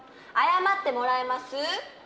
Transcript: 謝ってもらえます？